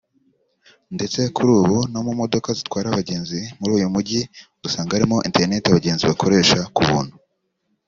ndetse kuri ubu no mu modoka zitwara abagenzi muri uyu Mujyi usanga harimo internet abagenzi bakoresha ku buntu